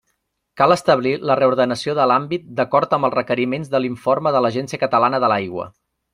Cal establir la reordenació de l'àmbit d'acord amb els requeriments de l'informe de l'Agència Catalana de l'Aigua.